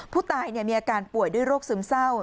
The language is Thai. ผู้ตายมีอาการป่วยด้วยโรคซึมเศร้า